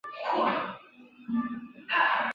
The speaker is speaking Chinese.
事件引起粤港澳三地网民讨论和当地媒体报导。